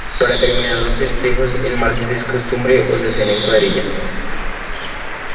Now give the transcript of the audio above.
Para terminar los festejos, el martes es costumbre o se cena en cuadrilla.